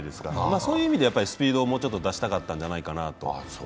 そういう意味ではスピードをもうちょっと出したかったんじゃないかなと。